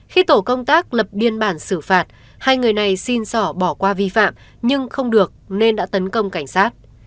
khi tổ công tác lập biên bản xử phạt hai người này xin sỏ bỏ qua vi phạm nhưng không được nên đã tấn công cảnh sát